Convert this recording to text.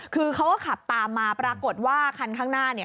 คือเขาก็ขับตามมาปรากฏว่าคันข้างหน้าเนี่ย